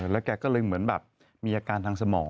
แล้วแกก็มีอาการทางสมอง